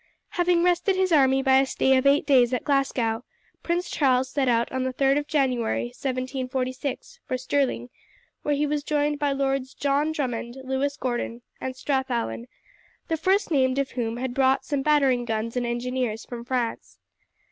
Having rested his army by a stay of eight days at Glasgow, Prince Charles set out on the 3rd of January, 1746, for Stirling, where he was joined by Lords John Drummond, Lewis Gordon, and Strathallan, the first named of whom had brought some battering guns and engineers from France.